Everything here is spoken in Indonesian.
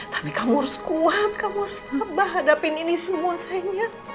tapi kamu harus kuat kamu harus tambah hadapin ini semua sayangnya